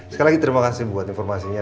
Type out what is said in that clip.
sekali lagi terima kasih buat informasinya